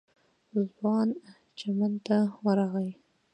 ځوان چمن ته ورغی.